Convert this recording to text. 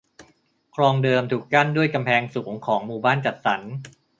คลองเดิมถูกกั้นด้วยกำแพงสูงของหมู่บ้านจัดสรร